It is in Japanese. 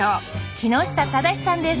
木下唯志さんです